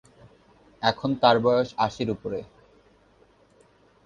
এখন তার বয়স আশির উপরে।